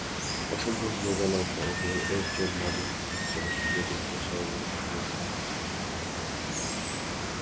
অসম্ভব রোগা, লম্বা এক জন মানুষ-ব্যাকে দেখলেই সরলরেখার কথা মনে হয়।